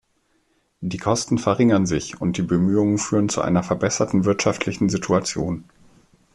Die Kosten verringern sich und die Bemühungen führen zu einer verbesserten wirtschaftlichen Situation.